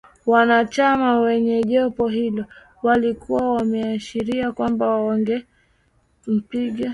Wanachama kwenye jopo hilo walikuwa wameashiria kwamba wangempinga